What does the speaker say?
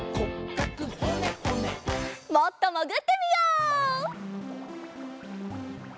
もっともぐってみよう。